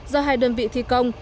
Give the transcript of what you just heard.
do hai đơn vị thi công